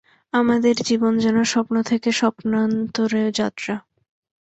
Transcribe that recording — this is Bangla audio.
আমাদের জীবন যেন স্বপ্ন থেকে স্বপ্নান্তরে যাত্রা।